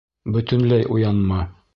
Бөтөнләй уянма!